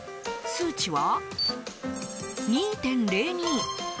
数値は、２．００。